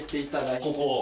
ここを？